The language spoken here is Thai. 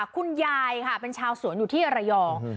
คุณยายค่ะเป็นชาวสวนอยู่ที่ระยอง